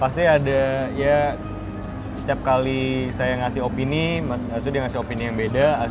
pasti ada ya setiap kali saya ngasih opini maksudnya opini yang beda